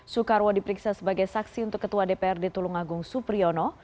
soekarwo diperiksa sebagai saksi untuk ketua dprd tulungagung supriyono